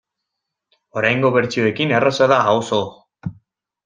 Oraingo bertsioekin erraza da, oso.